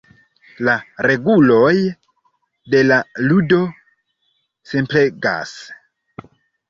La reguloj de la ludo simplegas.